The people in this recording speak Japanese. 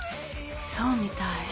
そうみたい。